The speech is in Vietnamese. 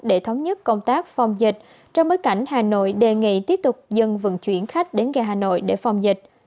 để thống nhất công tác phòng dịch trong bối cảnh hà nội đề nghị tiếp tục dân vận chuyển khách đến ga hà nội để phòng dịch